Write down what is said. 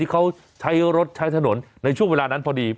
เขาใช้รถใช้ถนนในช่วงเวลานั้นพอดี